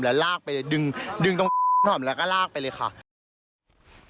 เต้นแรงไปโดนหมั่นไส้แล้วก็ถูกรุมทำร้าย